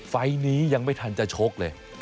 ไฟล์นี้ยังไม่ทันจะชกเลย